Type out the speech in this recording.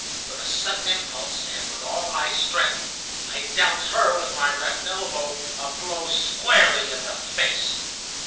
With a sudden impulse, and with all my strength, I dealt her, with my left elbow, a blow squarely in the face.